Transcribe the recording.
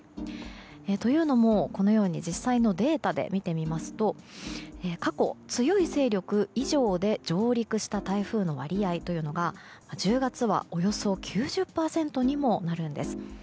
というのも実際のデータで見てみますと過去、強い勢力以上で上陸した台風の割合というのが１０月は、およそ９０％にもなるんです。